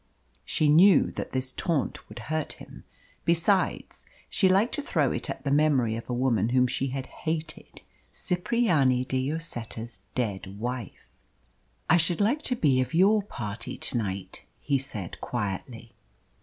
She knew that this taunt would hurt him. Besides, she liked to throw it at the memory of a woman whom she had hated Cipriani de Lloseta's dead wife. "I should like to be of your party to night," he said quietly.